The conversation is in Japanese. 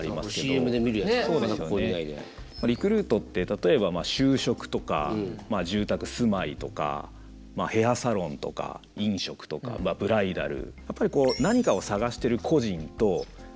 リクルートって例えば就職とか住宅住まいとかヘアサロンとか飲食とかブライダル。